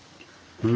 うん。